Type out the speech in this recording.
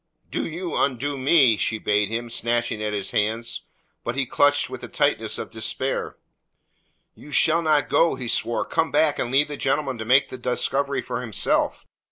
"Do you undo me," she bade him, snatching at his hands. But he clutched with the tightness of despair. "You shall not go," he swore. "Come back and leave the gentleman to make the discovery for himself.